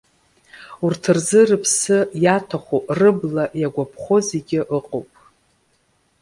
Урҭ рзы, рыԥсы иаҭаху, рыбла иагәаԥхо зегьы ыҟоуп.